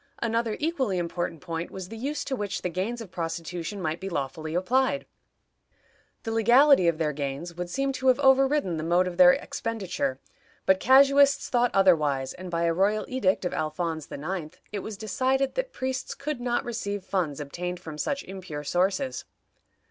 Another equally important point was the use to which the gains of prostitution might be lawfully applied. The legality of their gains would seem to have overridden the mode of their expenditure, but casuists thought otherwise, and, by a royal edict of Alphonse IX., it was decided that priests could not receive funds obtained from such impure sources.